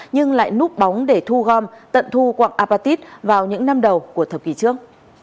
nhưng lại núp bóng để thu gom tận thu quạng apatit vào những năm đầu của thập kỷ trước